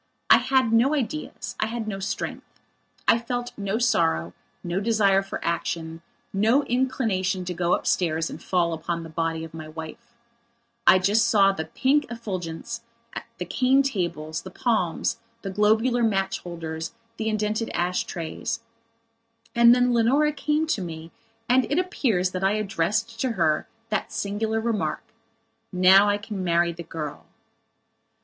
I had no ideas; I had no strength. I felt no sorrow, no desire for action, no inclination to go upstairs and fall upon the body of my wife. I just saw the pink effulgence, the cane tables, the palms, the globular match holders, the indented ash trays. And then Leonora came to me and it appears that I addressed to her that singular remark: "Now I can marry the girl."